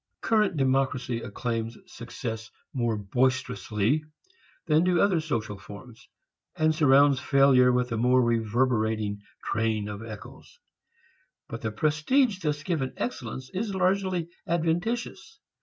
Current democracy acclaims success more boisterously than do other social forms, and surrounds failure with a more reverberating train of echoes. But the prestige thus given excellence is largely adventitious.